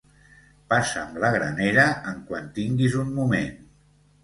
Passa'm la granera en quant tinguis un moment